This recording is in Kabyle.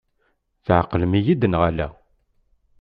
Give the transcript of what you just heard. Tɛeqlemt-iyi-d neɣ ala?